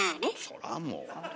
そらもう。